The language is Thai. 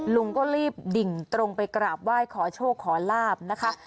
ลุงก็รีบดิ่งตรงไปกราบไหว้ขอโชคขอลาบนะคะ